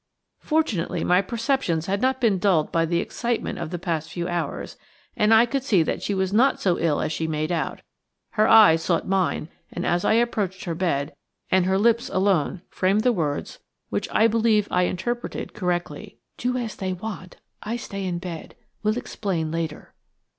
Fortunately my perceptions had not been dulled by the excitement of the past few hours, and I could see that she was not so ill as she made out. Her eyes sought mine as I approached her bed, and her lips alone framed the words which I believed I interpreted correctly. "Do as they want. I stay in bed. Will explain later."